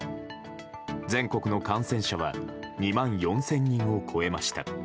全国の感染者は２万４０００人を超えました。